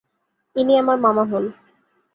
ইনি আমার মামা হন।